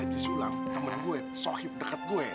haji sulam temen gue sohib deket gue